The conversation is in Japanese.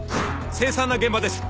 凄惨な現場です。